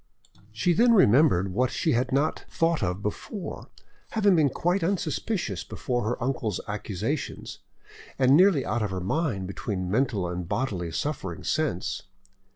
She then remembered, what she had not thought of before, having been quite unsuspicious before her uncle's accusation, and nearly out of her mind between mental and bodily suffering since.